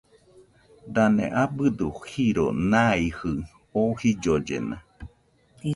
Dane abɨdo jiro naijɨ oo jillollena.